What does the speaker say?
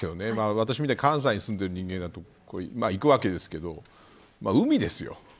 私みたいに関西に住んでいる人間だと行くわけですけど海ですよ。